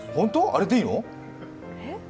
あれでいいの？え？